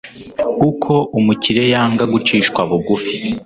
uko umukire yanga gucishwa bugufi